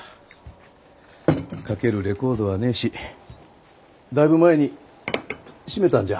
かけるレコードはねえしだいぶ前に閉めたんじゃ。